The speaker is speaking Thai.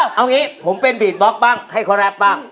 เอาอย่างนี้ผมเป็นบีดบอล์กบ้างให้เขารับบ้าง